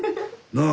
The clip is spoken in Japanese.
なあ？